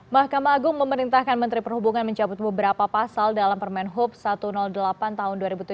mahkamah agung memerintahkan menteri perhubungan mencabut beberapa pasal dalam permen hub satu ratus delapan tahun dua ribu tujuh belas